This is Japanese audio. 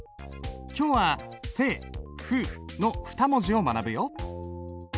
今日は「清」「風」の２文字を学ぶよ。